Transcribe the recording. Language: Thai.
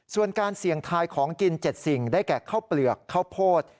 ส่วนการเสี่ยงทายของกิน๗สิ่งได้แก่ข้าวเปลือกข้าวโพด